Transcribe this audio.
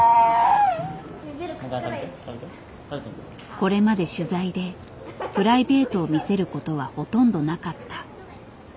これまで取材でプライベートを見せることはほとんどなかった。